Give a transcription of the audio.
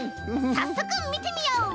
さっそくみてみよう。